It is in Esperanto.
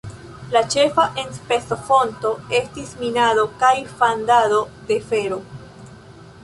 La ĉefa enspezofonto estis minado kaj fandado de fero.